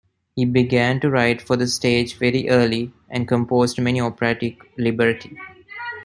He began to write for the stage very early, and composed many operatic libretti.